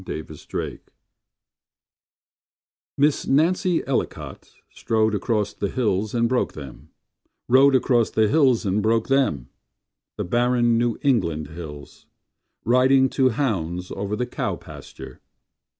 Cousin Nancy Miss Nancy Ellicot Strode across the hills and broke them Rode across the hills and broke them— The barren New England hills Riding to hounds Over the cow pasture.